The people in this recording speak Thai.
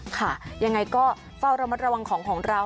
ค่ะยังไงก็เฝ้าระมัดระวังของของเรา